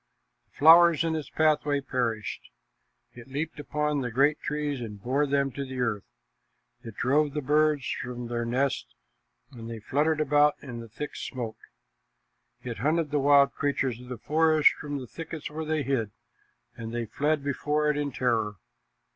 The flowers in its pathway perished. It leaped upon great trees and bore them to the earth. It drove the birds from their nests, and they fluttered about in the thick smoke. It hunted the wild creatures of the forest from the thickets where they hid, and they fled before it in terror.